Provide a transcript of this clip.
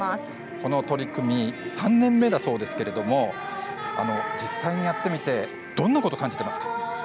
この取り組み３年目だそうですが実際にやってみてどんなことを感じていますか。